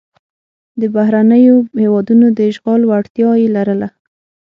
د بهرنیو هېوادونو د اشغال وړتیا یې لرله.